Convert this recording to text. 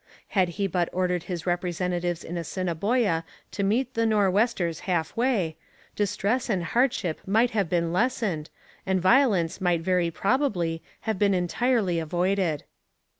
Had he but ordered his representatives in Assiniboia to meet the Nor'westers half way, distress and hardship might have been lessened, and violence might very probably have been entirely avoided.